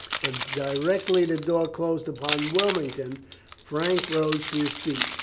But directly the door closed upon Wilmington, Frank rose to his feet.